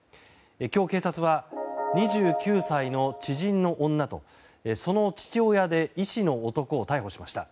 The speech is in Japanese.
今日、警察は２９歳の知人の女とその父親で医師の男を逮捕しました。